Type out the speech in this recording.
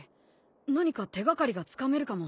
何か手掛かりがつかめるかも。